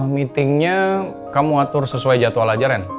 meetingnya kamu atur sesuai jadwal aja ren